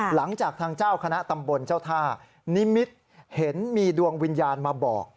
หลังจากทางเจ้าคณะตำบลเจ้าท่านิมิตเห็นมีดวงวิญญาณมาบอก